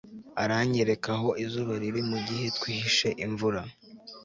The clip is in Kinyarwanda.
Aranyereka aho izuba riri mugihe twihishe imvura